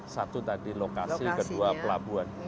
satu tadi lokasi kedua pelabuhan